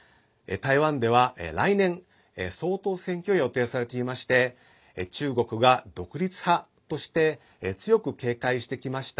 台湾では、来年総統選挙が予定されていまして中国が独立派として強く警戒してきました